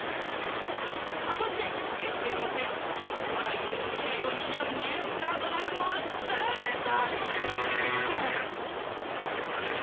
果たして激戦を制しお笑い界の未来を担うニュースターとなるのは誰だ。